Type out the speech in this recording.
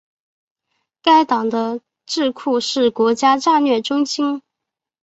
该党的智库是国家战略中心。